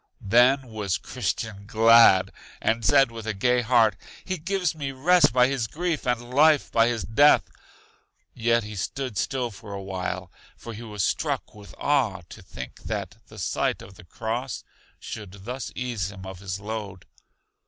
Then was Christian glad, and said with a gay heart: He gives me rest by his grief, and life by his death. Yet he stood still for a while, for he was struck with awe to think that the sight of the cross should thus ease him of his load.